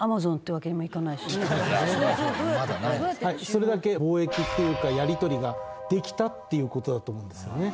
それだけ貿易っていうかやり取りができたっていう事だと思うんですよね。